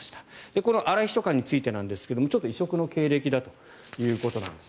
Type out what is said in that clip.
この荒井秘書官についてですが異色の経歴だということです。